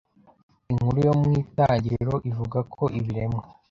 Inkuru yo mu Itangiriro ivuga ko ibiremwa